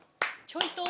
「ちょいと」？